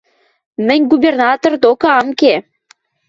– Мӹнь губернатор докы ам ке...